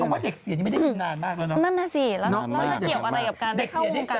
ว่าเด็กเสียนี่ไม่ได้อยู่นานมากแล้วเนอะนั่นน่ะสิแล้วจะเกี่ยวอะไรกับการได้เข้าวงการ